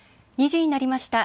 ２時になりました。